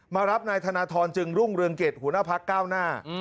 มารับนายธนทรจึงรุ่งเรืองกิจหัวหน้าพักก้าวหน้า